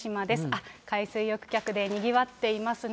あっ、海水浴客でにぎわっていますね。